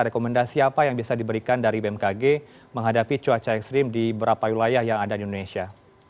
rekomendasi apa yang bisa diberikan dari bmkg menghadapi cuaca ekstrim di berapa wilayah yang ada di indonesia